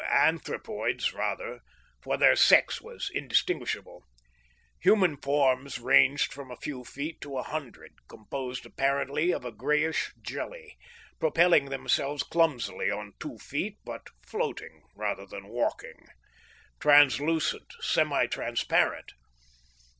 Anthropoids, rather, for their sex was indistinguishable! Human forms ranging from a few feet to a hundred, composed apparently of a grayish jelly, propelling themselves clumsily on two feet, but floating rather than walking. Translucent, semi transparent.